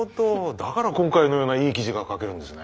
だから今回のようないい記事が書けるんですね。